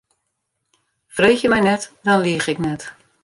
Freegje my net, dan liich ik net.